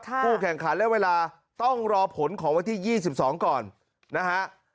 ผู้แข่งขันและเวลาต้องรอผลของวันที่๒๒ก่อนนะฮะ